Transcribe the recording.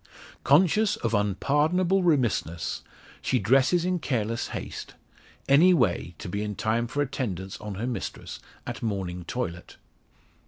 Conscious of unpardonable remissness, she dresses in careless haste any way, to be in time for attendance on her mistress, at morning toilet.